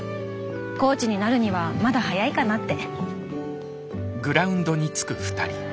コーチになるにはまだ早いかなって。